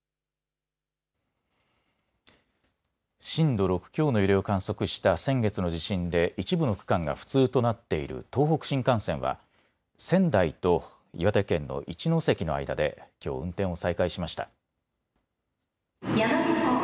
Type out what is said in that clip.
震度６強の揺れを観測した先月の地震で一部の区間が不通となっている東北新幹線は仙台と岩手県の一ノ関の間できょう運転を再開しました。